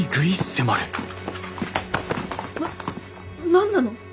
なっ何なの？